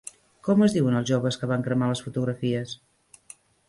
Com es diuen els joves que van cremar les fotografies?